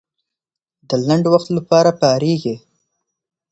د لنډ وخت لپاره پارېږي.